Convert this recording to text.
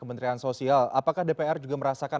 kementerian sosial apakah dpr juga merasakan